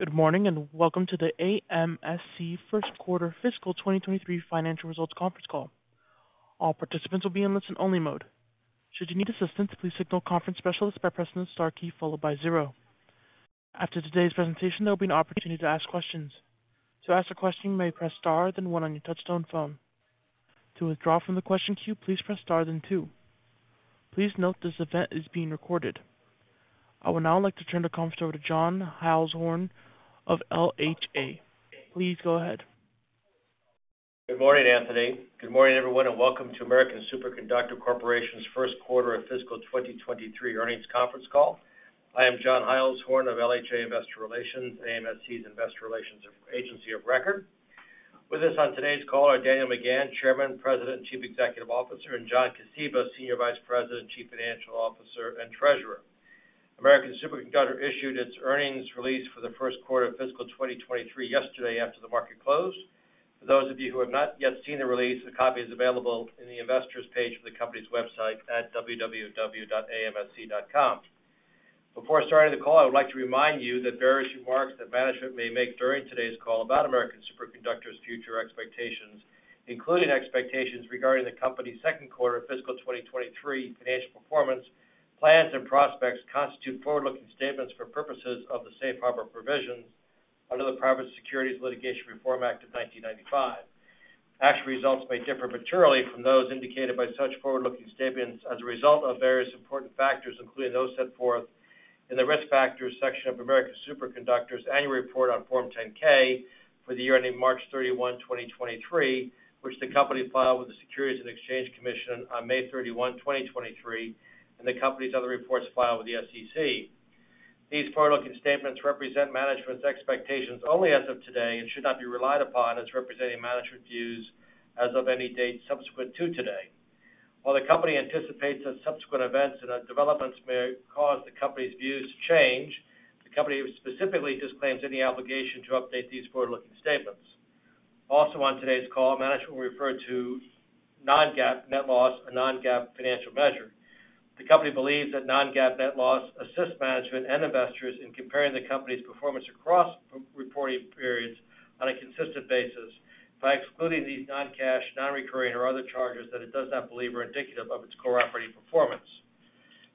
Good morning, welcome to the AMSC First Quarter Fiscal 2023 Financial Results Conference Call. All participants will be in listen-only mode. Should you need assistance, please signal conference specialist by pressing the star key followed by zero. After today's presentation, there will be an opportunity to ask questions. To ask a question, you may press star, then one on your touchtone phone. To withdraw from the question queue, please press star, then two. Please note this event is being recorded. I would now like to turn the conference over to John Heilshorn of LHA. Please go ahead. Good morning, Anthony. Good morning, everyone, welcome to American Superconductor Corporation's first quarter of fiscal 2023 earnings conference call. I am John Heilshorn of LHA Investor Relations, AMSC's investor relations agency of record. With us on today's call are Daniel McGahn, Chairman, President, and Chief Executive Officer, and John Kosiba, Senior Vice President, Chief Financial Officer, and Treasurer. American Superconductor issued its earnings release for the first quarter of fiscal 2023 yesterday after the market closed. For those of you who have not yet seen the release, a copy is available in the investors page of the company's website at www.amsc.com. Before starting the call, I would like to remind you that various remarks that management may make during today's call about American Superconductor's future expectations, including expectations regarding the company's second quarter fiscal 2023 financial performance, plans, and prospects, constitute forward-looking statements for purposes of the Safe Harbor Provisions under the Private Securities Litigation Reform Act of 1995. Actual results may differ materially from those indicated by such forward-looking statements as a result of various important factors, including those set forth in the Risk Factors section of American Superconductor's annual report on Form 10-K for the year ending March 31, 2023, which the company filed with the Securities and Exchange Commission on May 31, 2023, and the company's other reports filed with the SEC. These forward-looking statements represent management's expectations only as of today and should not be relied upon as representing management views as of any date subsequent to today. While the company anticipates that subsequent events and developments may cause the company's views to change, the company specifically disclaims any obligation to update these forward-looking statements. Also on today's call, management will refer to non-GAAP net loss or non-GAAP financial measure. The company believes that non-GAAP net loss assists management and investors in comparing the company's performance across reporting periods on a consistent basis by excluding these non-cash, non-recurring or other charges that it does not believe are indicative of its core operating performance.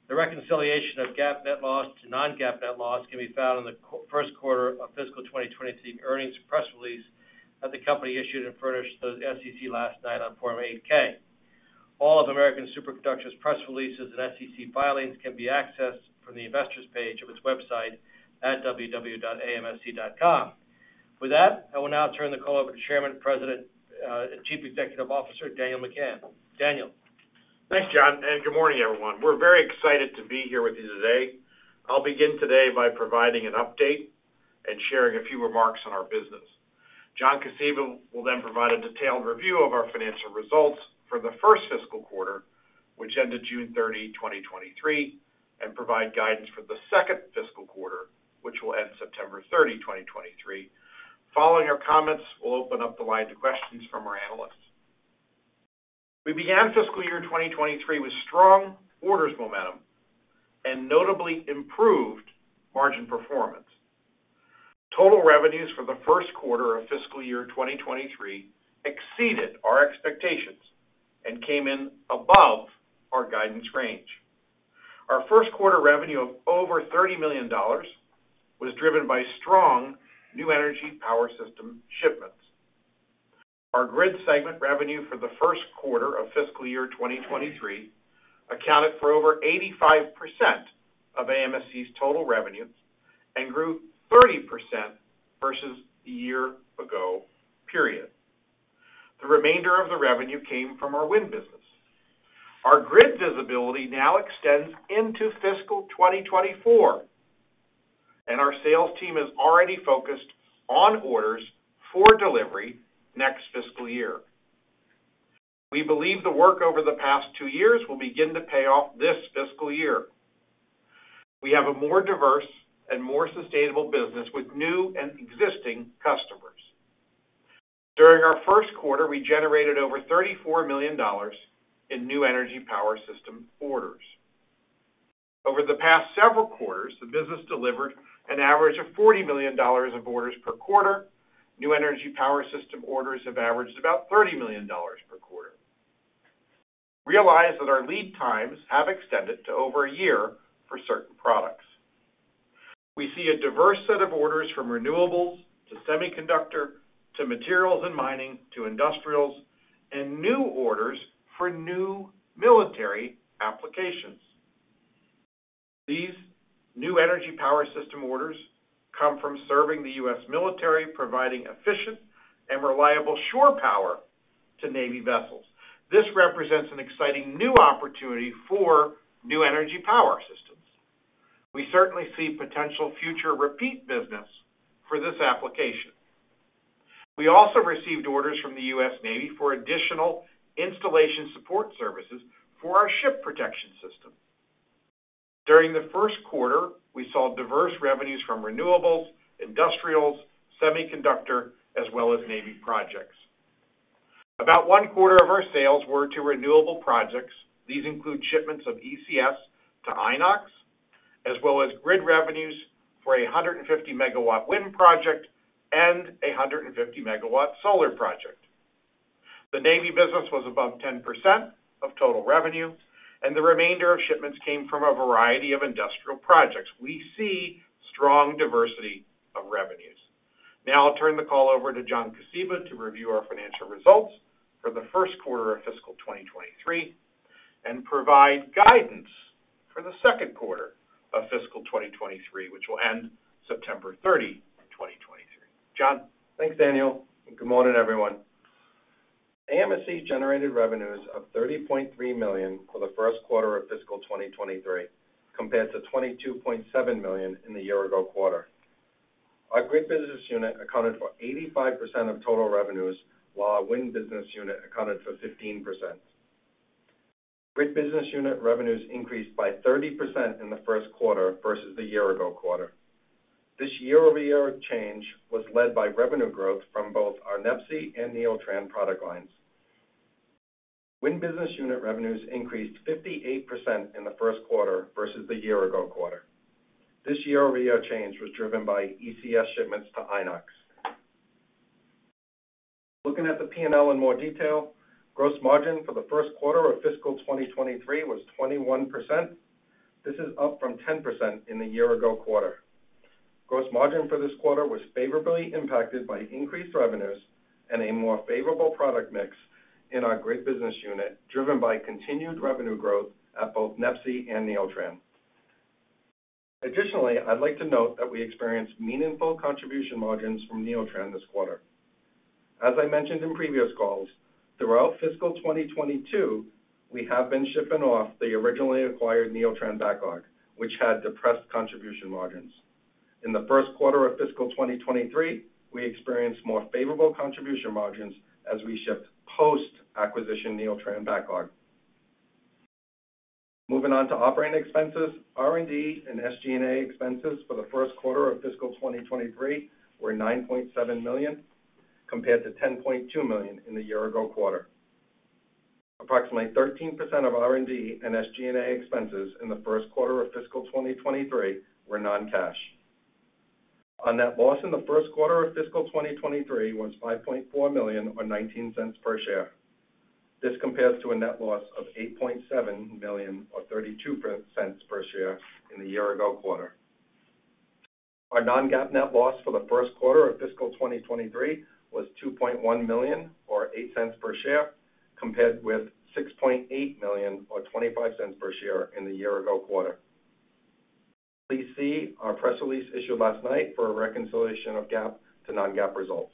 The reconciliation of GAAP net loss to non-GAAP net loss can be found in the first quarter of fiscal 2023 earnings press release that the company issued and furnished to the SEC last night on Form 8-K. All of American Superconductor's press releases and SEC filings can be accessed from the investors page of its website at www.amsc.com. With that, I will now turn the call over to Chairman, President, Chief Executive Officer, Daniel McGahn. Daniel? Thanks, John, and good morning, everyone. We're very excited to be here with you today. I'll begin today by providing an update and sharing a few remarks on our business. John Kosiba will then provide a detailed review of our financial results for the first fiscal quarter, which ended June 30, 2023, and provide guidance for the second fiscal quarter, which will end September 30, 2023. Following our comments, we'll open up the line to questions from our analysts. We began fiscal year 2023 with strong orders, momentum, and notably improved margin performance. Total revenues for the first quarter of fiscal year 2023 exceeded our expectations and came in above our guidance range. Our first quarter revenue of over $30 million was driven by strong new energy power system shipments. Our grid segment revenue for the first quarter of fiscal year 2023 accounted for over 85% of AMSC's total revenues and grew 30% versus a year ago period. The remainder of the revenue came from our wind business. Our grid visibility now extends into fiscal 2024, and our sales team is already focused on orders for delivery next fiscal year. We believe the work over the past two years will begin to pay off this fiscal year. We have a more diverse and more sustainable business with new and existing customers. During our first quarter, we generated over $34 million in new energy power system orders. Over the past several quarters, the business delivered an average of $40 million of orders per quarter. new energy power system orders have averaged about $30 million per quarter. Realize that our lead times have extended to over a year for certain products. We see a diverse set of orders from renewables, to semiconductor, to materials and mining, to industrials, and new orders for new military applications. These new energy power system orders come from serving the U.S. military, providing efficient and reliable shore power to Navy vessels. This represents an exciting new opportunity for new energy power systems. We certainly see potential future repeat business for this application. We also received orders from the U.S. Navy for additional installation support services for our Ship Protection System. During the first quarter, we saw diverse revenues from renewables, industrials, semiconductor, as well as Navy projects. About 1/4 of our sales were to renewable projects. These include shipments of ECS to Inox, as well as grid revenues for a 150 MW wind project and a150 MW solar project. The U.S. Navy business was above 10% of total revenue. The remainder of shipments came from a variety of industrial projects. We see strong diversity of revenues. Now I'll turn the call over to John Kosiba, to review our financial results for the first quarter of fiscal 2023, and provide guidance for the second quarter of fiscal 2023, which will end September 30, 2023. John? Thanks, Daniel, good morning, everyone. AMSC generated revenues of $30.3 million for the first quarter of fiscal 2023, compared to $22.7 million in the year-ago quarter. Our grid business unit accounted for 85% of total revenues, while our wind business unit accounted for 15%. Grid business unit revenues increased by 30% in the first quarter versus the year-ago quarter. This year-over-year change was led by revenue growth from both our NEPSI and Neeltran product lines. Wind business unit revenues increased 58% in the first quarter versus the year-ago quarter. This year-over-year change was driven by ECS shipments to Inox. Looking at the P&L in more detail, gross margin for the first quarter of fiscal 2023 was 21%. This is up from 10% in the year-ago quarter. Gross margin for this quarter was favorably impacted by increased revenues and a more favorable product mix in our grid business unit, driven by continued revenue growth at both NEPSI and Neeltran. Additionally, I'd like to note that we experienced meaningful contribution margins from Neeltran this quarter. As I mentioned in previous calls, throughout fiscal 2022, we have been shipping off the originally acquired Neeltran backlog, which had depressed contribution margins. In the first quarter of fiscal 2023, we experienced more favorable contribution margins as we shipped post-acquisition Neeltran backlog. Moving on to operating expenses, R&D and SG&A expenses for the first quarter of fiscal 2023 were $9.7 million, compared to $10.2 million in the year ago quarter. Approximately 13% of R&D and SG&A expenses in the first quarter of fiscal 2023 were non-cash. Our net loss in the first quarter of fiscal 2023 was $5.4 million or $0.19 per share. This compares to a net loss of $8.7 million or $0.32 per share in the year ago quarter. Our non-GAAP net loss for the first quarter of fiscal 2023 was $2.1 million or $0.08 per share, compared with $6.8 million or $0.25 per share in the year ago quarter. Please see our press release issued last night for a reconciliation of GAAP to non-GAAP results.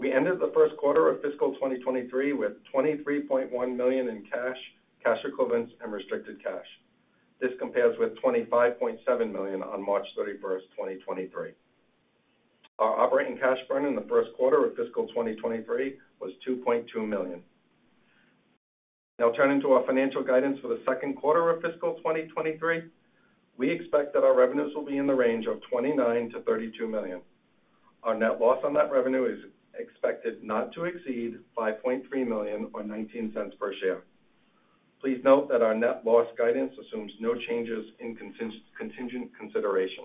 We ended the first quarter of fiscal 2023 with $23.1 million in cash, cash equivalents, and restricted cash. This compares with $25.7 million on March 31st, 2023. Our operating cash burn in the first quarter of fiscal 2023 was $2.2 million. Now turning to our financial guidance for the second quarter of fiscal 2023, we expect that our revenues will be in the range of $29 million-$32 million. Our net loss on that revenue is expected not to exceed $5.3 million or $0.19 per share. Please note that our net loss guidance assumes no changes in contingent consideration.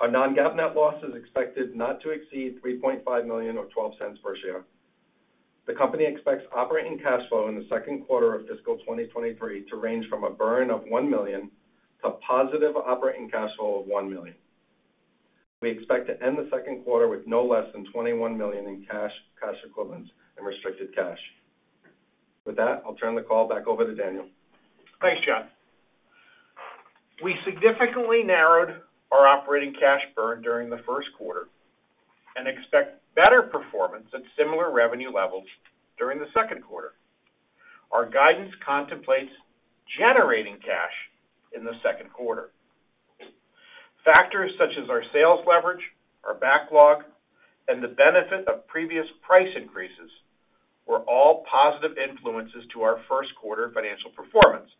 Our non-GAAP net loss is expected not to exceed $3.5 million or $0.12 per share. The company expects operating cash flow in the second quarter of fiscal 2023 to range from a burn of $1 million to positive operating cash flow of $1 million. We expect to end the second quarter with no less than $21 million in cash, cash equivalents, and restricted cash. With that, I'll turn the call back over to Daniel. Thanks, John. We significantly narrowed our operating cash burn during the first quarter and expect better performance at similar revenue levels during the second quarter. Our guidance contemplates generating cash in the second quarter. Factors such as our sales leverage, our backlog, and the benefit of previous price increases were all positive influences to our first quarter financial performance.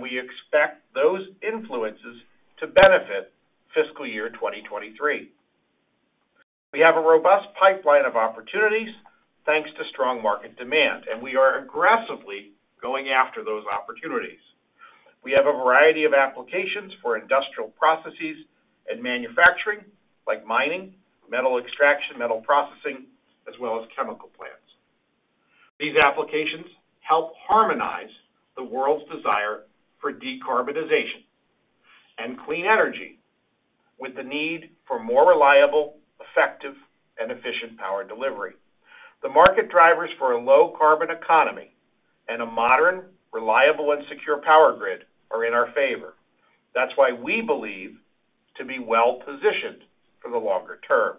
We expect those influences to benefit fiscal year 2023. We have a robust pipeline of opportunities, thanks to strong market demand. We are aggressively going after those opportunities. We have a variety of applications for industrial processes and manufacturing, like mining, metal extraction, metal processing, as well as chemical plants. These applications help harmonize the world's desire for decarbonization and clean energy, with the need for more reliable, effective, and efficient power delivery. The market drivers for a low-carbon economy and a modern, reliable, and secure power grid are in our favor. That's why we believe to be well-positioned for the longer term.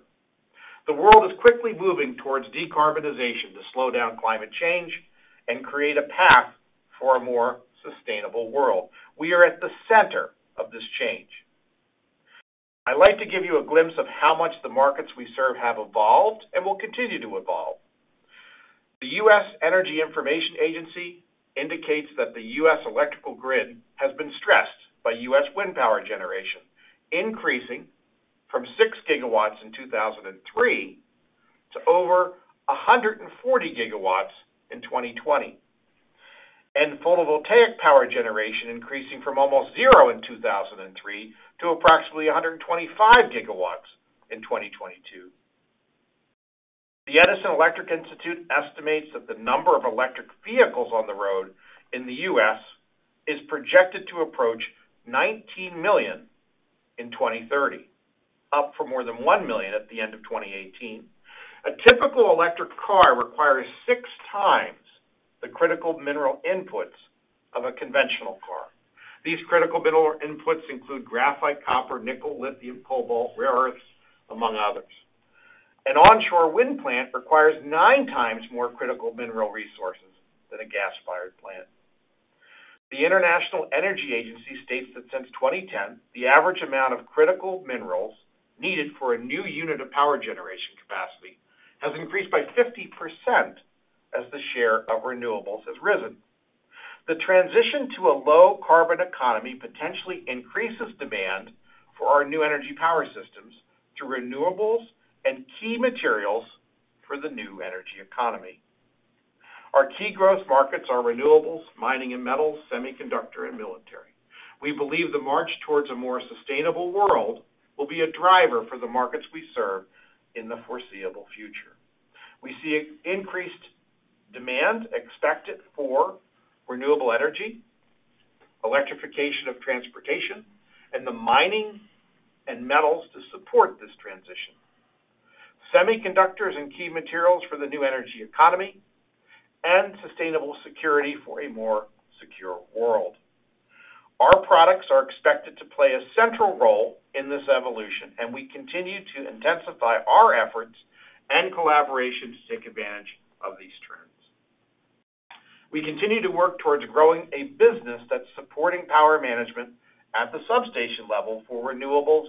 The world is quickly moving towards decarbonization to slow down climate change and create a path for a more sustainable world. We are at the center of this change. I'd like to give you a glimpse of how much the markets we serve have evolved and will continue to evolve. The U.S. Energy Information Administration indicates that the U.S. electrical grid has been stressed by U.S. wind power generation, increasing from 6 GW in 2003 to over 140 GW in 2020, and photovoltaic power generation increasing from almost zero in 2003 to approximately 125 GW in 2022. The Edison Electric Institute estimates that the number of electric vehicles on the road in the U.S. is projected to approach 19 million in 2030, up for more than 1 million at the end of 2018. A typical electric car requires 6x the critical mineral inputs of a conventional car. These critical mineral inputs include graphite, copper, nickel, lithium, cobalt, rare earths, among others. An onshore wind plant requires 9x more critical mineral resources than a gas-fired plant. The International Energy Agency states that since 2010, the average amount of critical minerals needed for a new unit of power generation capacity has increased by 50% as the share of renewables has risen. The transition to a low-carbon economy potentially increases demand for our new energy power systems to renewables and key materials for the new energy economy. Our key growth markets are renewables, mining and metals, semiconductor, and military. We believe the march towards a more sustainable world will be a driver for the markets we serve in the foreseeable future. We see increased demand expected for renewable energy, electrification of transportation, and the mining and metals to support this transition. Semiconductors and key materials for the new energy economy and sustainable security for a more secure world. Our products are expected to play a central role in this evolution, and we continue to intensify our efforts and collaboration to take advantage of these trends. We continue to work towards growing a business that's supporting power management at the substation level for renewables,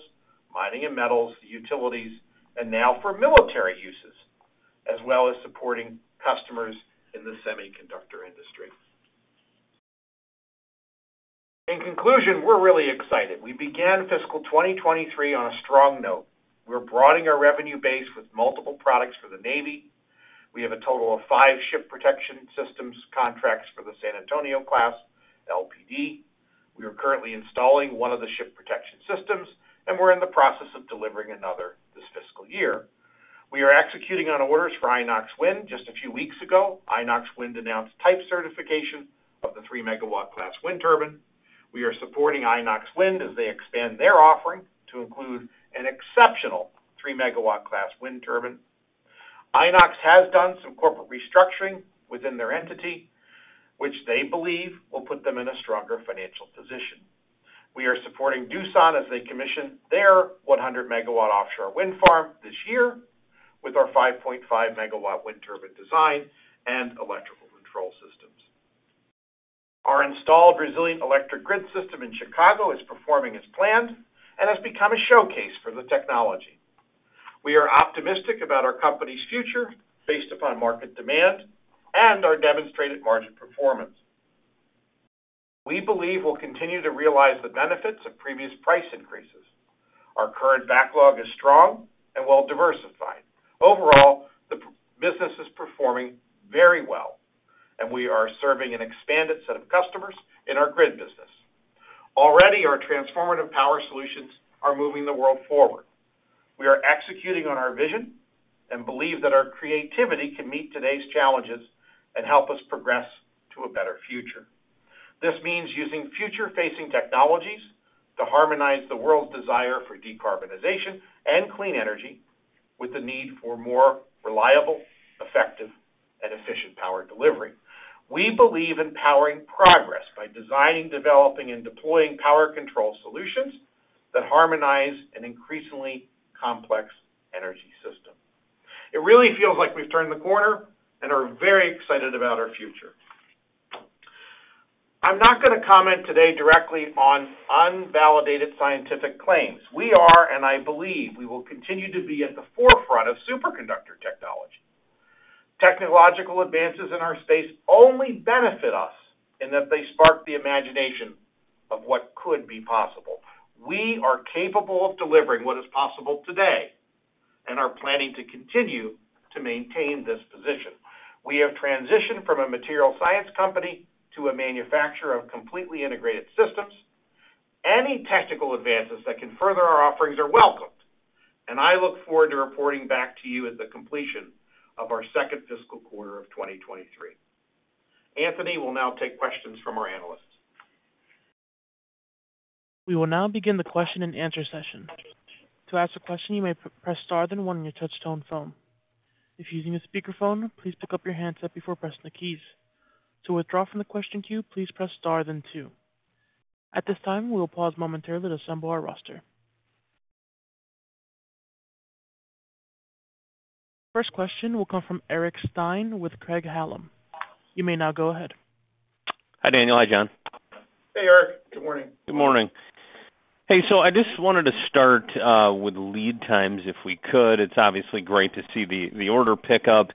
mining and metals, utilities, and now for military uses, as well as supporting customers in the semiconductor industry. In conclusion, we're really excited. We began fiscal 2023 on a strong note. We're broadening our revenue base with multiple products for the Navy. We have a total of five Ship Protection Systems contracts for the San Antonio class, LPD. We are currently installing one of the Ship Protection Systems, and we're in the process of delivering another this fiscal year. We are executing on orders for Inox Wind. Just a few weeks ago, Inox Wind announced type certification of the 3 MW class wind turbine. We are supporting Inox Wind as they expand their offering to include an exceptional 3 MW class wind turbine. Inox has done some corporate restructuring within their entity, which they believe will put them in a stronger financial position. We are supporting Doosan as they commission their 100 MW offshore wind farm this year with our 5.5 MW wind turbine design and electrical control systems. Our installed Resilient Electric Grid system in Chicago is performing as planned and has become a showcase for the technology. We are optimistic about our company's future based upon market demand and our demonstrated margin performance. We believe we'll continue to realize the benefits of previous price increases. Our current backlog is strong and well diversified. Overall, the business is performing very well, and we are serving an expanded set of customers in our grid business. Already, our transformative power solutions are moving the world forward. We are executing on our vision and believe that our creativity can meet today's challenges and help us progress to a better future. This means using future-facing technologies to harmonize the world's desire for decarbonization and clean energy, with the need for more reliable, effective, and efficient power delivery. We believe in powering progress by designing, developing, and deploying power control solutions that harmonize an increasingly complex energy system. It really feels like we've turned the corner and are very excited about our future. I'm not gonna comment today directly on unvalidated scientific claims. We are, and I believe we will continue to be at the forefront of superconductor technology. Technological advances in our space only benefit us in that they spark the imagination of what could be possible. We are capable of delivering what is possible today and are planning to continue to maintain this position. We have transitioned from a material science company to a manufacturer of completely integrated systems. Any technical advances that can further our offerings are welcomed, and I look forward to reporting back to you at the completion of our second fiscal quarter of 2023. Anthony will now take questions from our analysts. We will now begin the question-and-answer session. To ask a question, you may press star then 1 on your touchtone phone. If using a speakerphone, please pick up your handset before pressing the keys. To withdraw from the question queue, please press star then two. At this time, we will pause momentarily to assemble our roster. First question will come from Eric Stine with Craig-Hallum. You may now go ahead. Hi, Daniel. Hi, John. Hey, Eric, good morning. Good morning. Hey, I just wanted to start with lead times, if we could. It's obviously great to see the, the order pick up,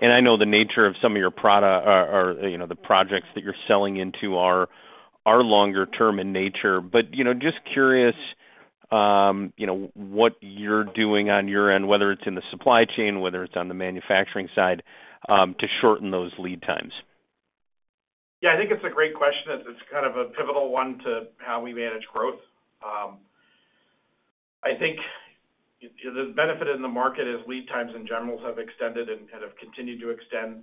and I know the nature of some of your produ- or, or, you know, the projects that you're selling into are, are longer term in nature. You know, just curious, you know, what you're doing on your end, whether it's in the supply chain, whether it's on the manufacturing side, to shorten those lead times. Yeah, I think it's a great question, as it's kind of a pivotal one to how we manage growth. I think the benefit in the market is lead times in generals have extended and, and have continued to extend,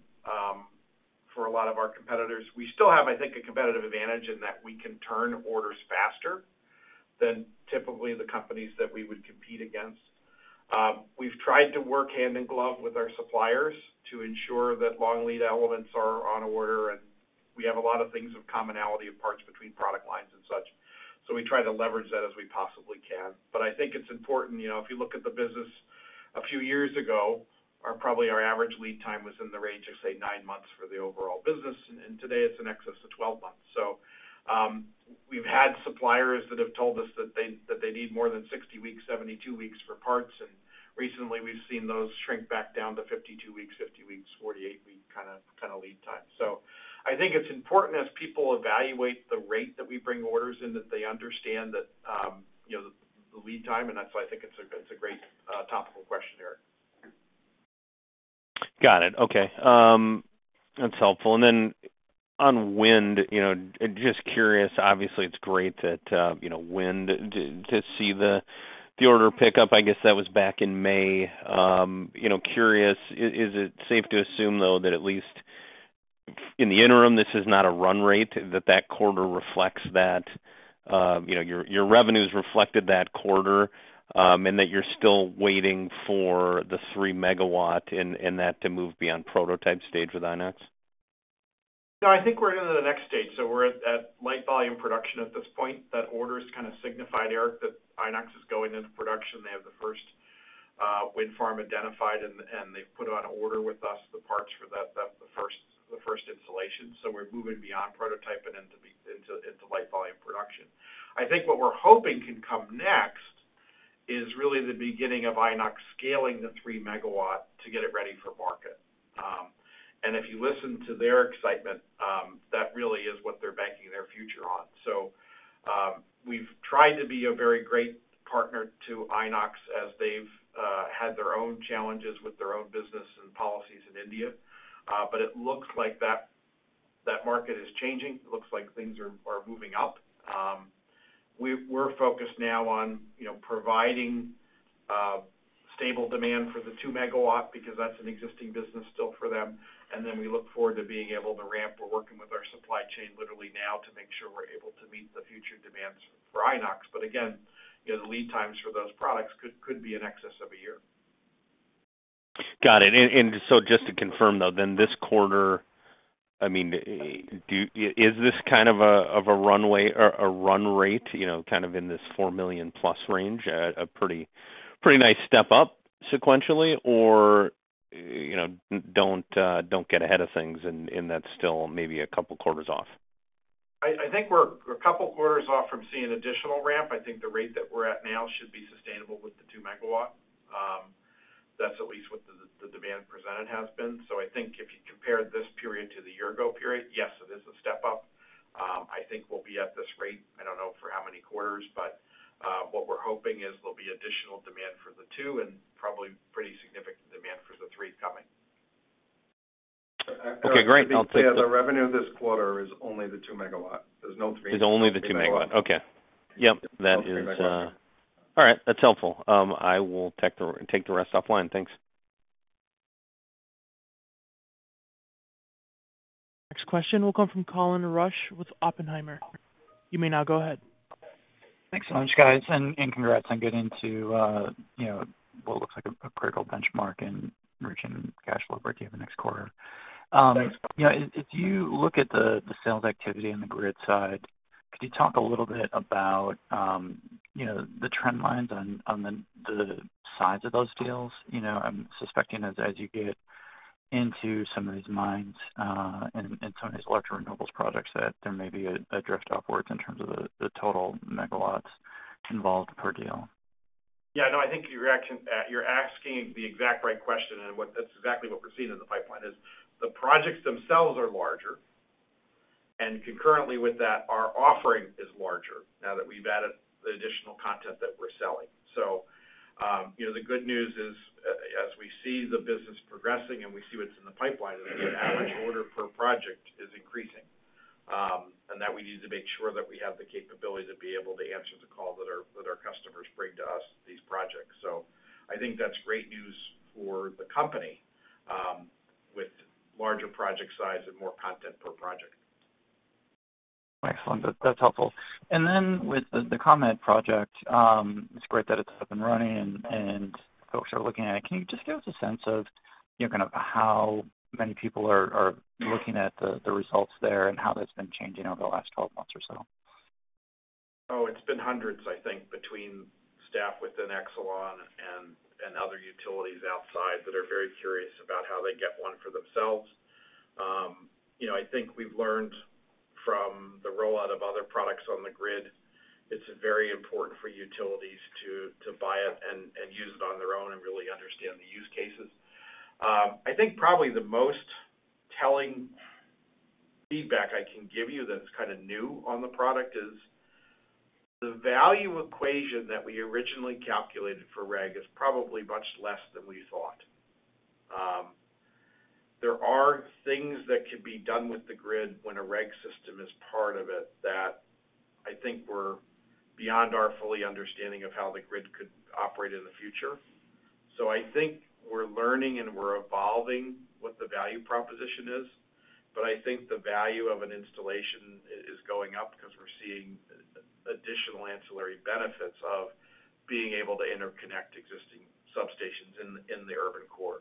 for a lot of our competitors. We still have, I think, a competitive advantage in that we can turn orders faster than typically the companies that we would compete against. We've tried to work hand in glove with our suppliers to ensure that long lead elements are on order, and we have a lot of things of commonality of parts between product lines and such. We try to leverage that as we possibly can. I think it's important, you know, if you look at the business a few years ago, probably our average lead time was in the range of, say, nine months for the overall business, and today it's in excess of 12 months. We've had suppliers that have told us that they need more than 60 weeks, 72 weeks for parts, and recently we've seen those shrink back down to 52 weeks, 50 weeks, 48 week kind of lead time. I think it's important as people evaluate the rate that we bring orders in, that they understand that, you know, the lead time, and that's why I think it's a, it's a great topical question, Eric. Got it. Okay, that's helpful. And then on wind, you know, just curious, obviously, it's great that, you know, to see the order pick up. I guess that was back in May. You know, curious, is it safe to assume, though, that at least in the interim, this is not a run rate, that that quarter reflects that, you know, your, your revenues reflected that quarter, and that you're still waiting for the 3 MW in that to move beyond prototype stage with Inox? No, I think we're into the next stage. We're at light volume production at this point. That order is kind of signified, Eric, that Inox is going into production. They have the first wind farm identified and they've put on an order with us, the parts for that, the first, the first installation. We're moving beyond prototyping into light volume production. I think what we're hoping can come next is really the beginning of Inox scaling the 3 MW to get it ready for market. If you listen to their excitement, that really is what they're banking their future on. We've tried to be a very great partner to Inox as they've had their own challenges with their own business and policies in India. It looks like that market is changing. It looks like things are, are moving up. We're focused now on, you know, providing stable demand for the 2 MW because that's an existing business still for them. Then we look forward to being able to ramp. We're working with our supply chain literally now to make sure we're able to meet the future demands for Inox. Again, you know, the lead times for those products could, could be in excess of a year. Got it. Just to confirm, though, this quarter, I mean, is this kind of a runway or a run rate, you know, kind of in this $4 million+ range, a pretty, pretty nice step up sequentially? You know, don't get ahead of things and that's still maybe a couple quarters off. I, I think we're a couple quarters off from seeing additional ramp. I think the rate that we're at now should be sustainable with the 2 MW. That's at least what the, the demand presented has been. I think if you compare this period to the year ago period, yes, it is a step up. I think we'll be at this rate, I don't know for how many quarters, what we're hoping is there'll be additional demand for the two and probably pretty significant demand for the three coming. Okay, great. I'll take. Yeah, the revenue this quarter is only the 2 MW. There's no 3 MW. It's only the 2 MW. Okay. Yep, that is... All right. That's helpful. I will take the, take the rest offline. Thanks. Next question will come from Colin Rusch with Oppenheimer. You may now go ahead. Thanks so much, guys, and congrats on getting to, you know, what looks like a critical benchmark in merchant cash flow breaking the next quarter. You know, if you look at the sales activity on the grid side, could you talk a little bit about, you know, the trend lines on the sides of those deals? You know, I'm suspecting as you get into some of these mines, and some of these electro renewables projects, that there may be a drift upwards in terms of the total megawatts involved per deal. Yeah, no, I think you're asking the exact right question, and that's exactly what we're seeing in the pipeline, is the projects themselves are larger, and concurrently with that, our offering is larger now that we've added the additional content that we're selling. You know, the good news is, as we see the business progressing and we see what's in the pipeline, is the average order per project is increasing. That we need to make sure that we have the capability to be able to answer the call that our, that our customers bring to us these projects. I think that's great news for the company, with larger project size and more content per project. Excellent. That, that's helpful. With the, the ComEd project, it's great that it's up and running and, and folks are looking at it. Can you just give us a sense of, you know, kind of how many people are, are looking at the, the results there and how that's been changing over the last 12 months or so? Oh, it's been hundreds, I think, between staff within Exelon and, and other utilities outside that are very curious about how they get one for themselves. You know, I think we've learned from the rollout of other products on the grid, it's very important for utilities to, to buy it and, and use it on their own and really understand the use cases. I think probably the most telling feedback I can give you that's kind of new on the product is, the value equation that we originally calculated for REG is probably much less than we thought. There are things that could be done with the grid when a REG system is part of it, that I think we're beyond our fully understanding of how the grid could operate in the future. I think we're learning and we're evolving what the value proposition is, but I think the value of an installation is going up because we're seeing additional ancillary benefits of being able to interconnect existing substations in, in the urban core.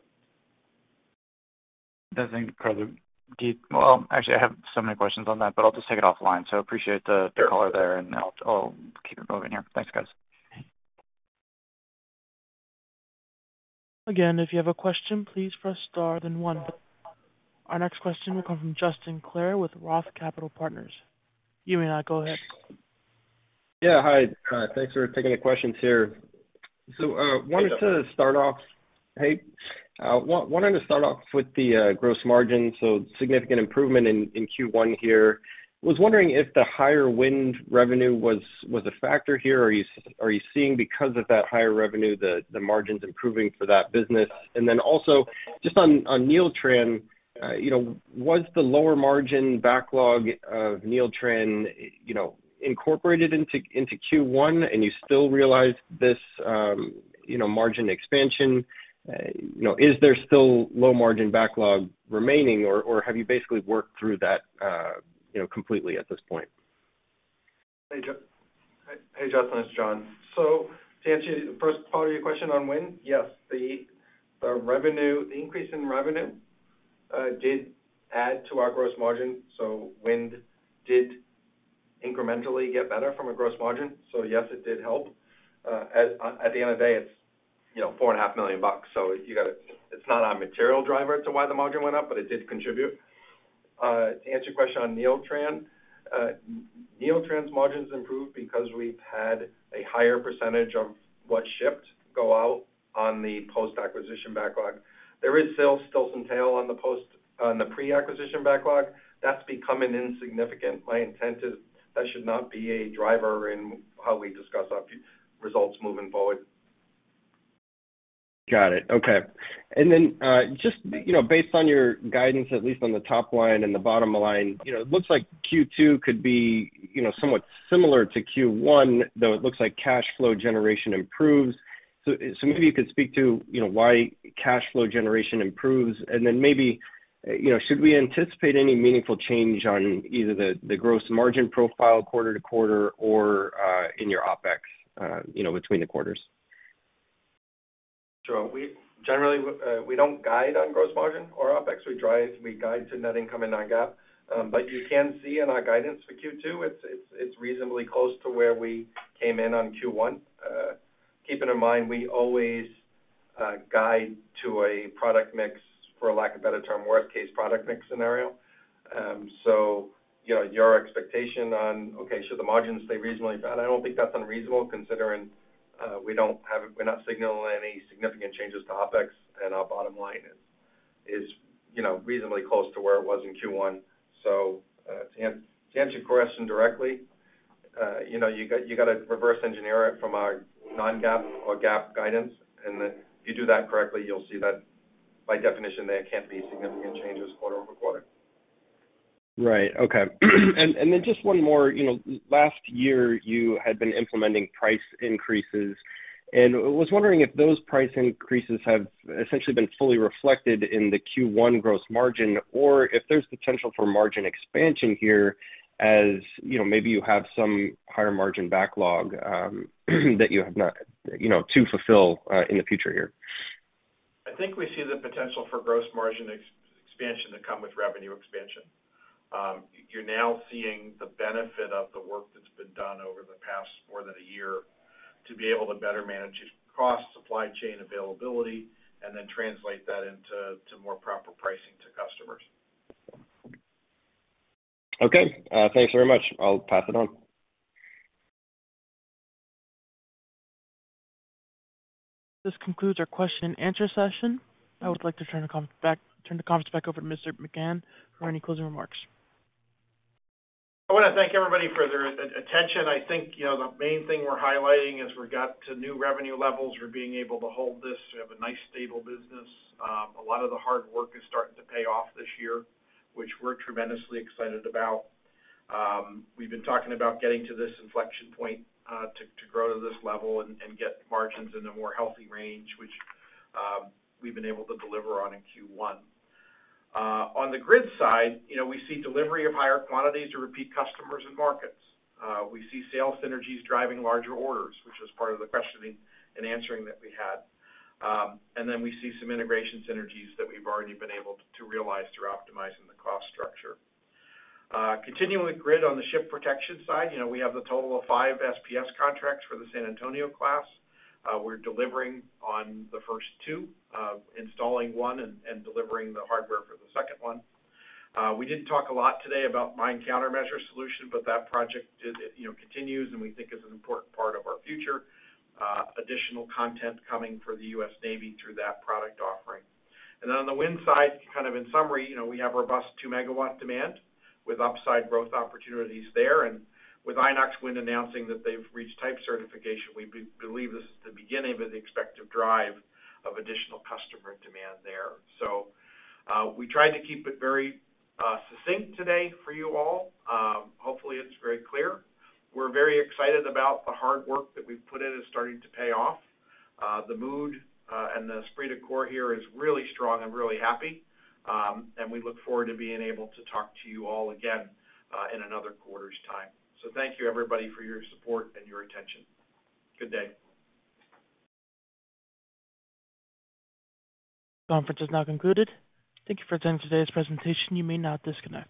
I think, probably, well, actually, I have so many questions on that, but I'll just take it offline, so appreciate the, the color there, and I'll, I'll keep it moving here. Thanks, guys. Again, if you have a question, please press Star, then One. Our next question will come from Justin Clare with Roth Capital Partners. You may now go ahead. Yeah, hi. Thanks for taking the questions here. Hey, John. Wanted to start off... Hey, wanting to start off with the gross margin, significant improvement in Q1 here. Was wondering if the higher wind revenue was a factor here, or are you seeing, because of that higher revenue, the margins improving for that business? Also, just on Neeltran, you know, was the lower margin backlog of Neeltran, you know, incorporated into Q1 and you still realized this, you know, margin expansion? You know, is there still low-margin backlog remaining, or have you basically worked through that, you know, completely at this point? Hey, Justin, it's John. To answer the first part of your question on wind, yes, the revenue, the increase in revenue, did add to our gross margin, so wind did incrementally get better from a gross margin. Yes, it did help. At the end of the day, it's, you know, $4.5 million. It's not a material driver to why the margin went up, but it did contribute. To answer your question on Neeltran, Neeltran's margins improved because we've had a higher % of what shipped go out on the post-acquisition backlog. There is still, still some tail on the pre-acquisition backlog. That's becoming insignificant. My intent is, that should not be a driver in how we discuss our results moving forward. Got it. Okay. Just, you know, based on your guidance, at least on the top line and the bottom line, you know, it looks like Q2 could be, you know, somewhat similar to Q1, though it looks like cash flow generation improves. Maybe you could speak to, you know, why cash flow generation improves, and then maybe, you know, should we anticipate any meaningful change on either the, the gross margin profile quarter-to-quarter or in your OpEx, you know, between the quarters? Sure. We generally, we don't guide on gross margin or OpEx. We guide to net income and non-GAAP. You can see in our guidance for Q2, it's, it's, it's reasonably close to where we came in on Q1. Keeping in mind, we always guide to a product mix, for lack of better term, worst case product mix scenario. You know, your expectation on, okay, should the margins stay reasonably bad? I don't think that's unreasonable, considering we're not signaling any significant changes to OpEx, and our bottom line is, is, you know, reasonably close to where it was in Q1. To answer your question directly, you know, you got to reverse engineer it from our non-GAAP or GAAP guidance, and then if you do that correctly, you'll see that by definition, there can't be significant changes quarter-over-quarter. Right. Okay. Then just one more. You know, last year, you had been implementing price increases, and was wondering if those price increases have essentially been fully reflected in the Q1 gross margin, or if there's potential for margin expansion here, as, you know, maybe you have some higher margin backlog, that you have not, you know, to fulfill, in the future here? I think we see the potential for gross margin expansion to come with revenue expansion. You're now seeing the benefit of the work that's been done over the past more than a year, to be able to better manage cost, supply chain availability, and then translate that into more proper pricing to customers. Okay. thanks very much. I'll pass it on. This concludes our question and answer session. I would like to turn the conference back over to Mr. McGahn for any closing remarks. I want to thank everybody for their attention. I think, you know, the main thing we're highlighting, is we got to new revenue levels. We're being able to hold this. We have a nice, stable business. A lot of the hard work is starting to pay off this year, which we're tremendously excited about. We've been talking about getting to this inflection point, to, to grow to this level and, and get margins in a more healthy range, which, we've been able to deliver on in Q1. On the grid side, you know, we see delivery of higher quantities to repeat customers and markets. We see sales synergies driving larger orders, which is part of the questioning and answering that we had. Then we see some integration synergies that we've already been able to realize through optimizing the cost structure. Continuing with grid on the ship protection side, you know, we have a total of 5 SPS contracts for the San Antonio class. We're delivering on the first two, installing one and, and delivering the hardware for the second 1. We didn't talk a lot today about mine countermeasure solution, but that project did, you know, continues, and we think is an important part of our future, additional content coming for the U.S. Navy through that product offering. Then on the wind side, kind of in summary, you know, we have robust 2 MW demand with upside growth opportunities there, and with Inox Wind announcing that they've reached type certification, we believe this is the beginning of the expected drive of additional customer demand there. We tried to keep it very succinct today for you all. Hopefully, it's very clear. We're very excited about the hard work that we've put in, is starting to pay off. The mood, and the esprit de corps here is really strong and really happy, and we look forward to being able to talk to you all again, in another quarter's time. Thank you, everybody, for your support and your attention. Good day. Conference is now concluded. Thank you for attending today's presentation. You may now disconnect.